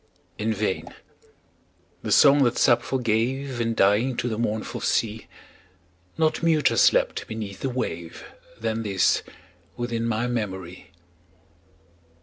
In vain: the song that Sappho gave, In dying, to the mournful sea, Not muter slept beneath the wave Than this within my memory.